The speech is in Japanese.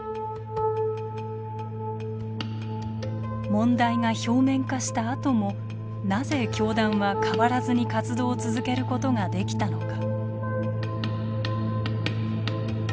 問題が表面化したあともなぜ教団は変わらずに活動を続けることができたのか。